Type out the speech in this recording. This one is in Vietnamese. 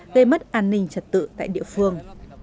gây mất an ninh trật tự tại địa phương